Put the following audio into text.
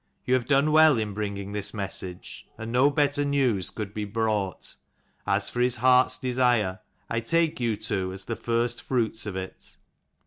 You have done well in bringing this message, and no better news could be brought. As for his heart's desire, I take you two as the first fruits of it.